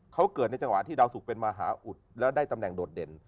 เขาเกิดในจังหวะที่เดารสุพรรฯเป็นมหาอุทธิ์และได้แบบโดรดเด่น